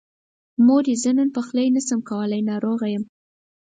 مورې! زه نن پخلی نشمه کولی، ناروغه يم.